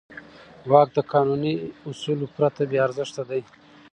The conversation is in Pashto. واک د قانوني اصولو پرته بېارزښته دی.